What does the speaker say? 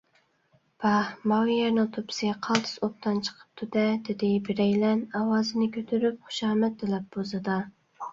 پاھ، ماۋۇ يەرنىڭ توپىسى قالتىس ئوبدان چىقىپتۇ - دە! _ دېدى بىرەيلەن ئاۋازىنى كۈتۈرۈپ خۇشامەت تەلەپپۇزىدا.